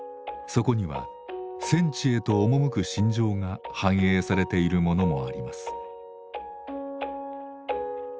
そこには戦地へと赴く心情が反映されているものもあります。